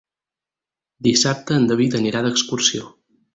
Dissabte en David anirà d'excursió.